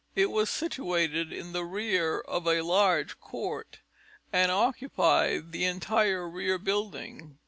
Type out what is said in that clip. It was situated in the rear of a large court, and occupied the entire rear building.